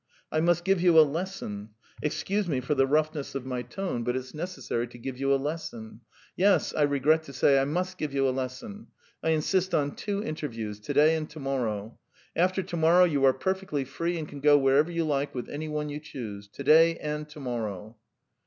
"I must give you a lesson. ... Excuse me for the roughness of my tone, but it's necessary to give you a lesson. Yes, I regret to say I must give you a lesson. I insist on two interviews to day and to morrow. After to morrow you are perfectly free and can go wherever you like with any one you choose. To day and to morrow."